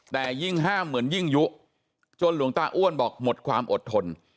แต่ยิ่งห้ามเหมือนยิ่งยุจนหลวงตาอ้วนบอกหมดความอดทน